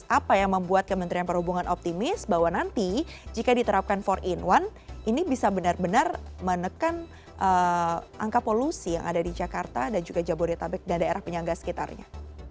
apa yang membuat kementerian perhubungan optimis bahwa nanti jika diterapkan empat in satu ini bisa benar benar menekan angka polusi yang ada di jakarta dan juga jabodetabek dan daerah penyangga sekitarnya